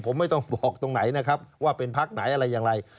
ผมไม่ต้องบอกตรงไหนนะครับว่าเป็นพักไหนอะไรอย่างไร